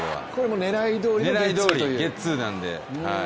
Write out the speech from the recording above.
狙いどおり、ゲッツーなんで。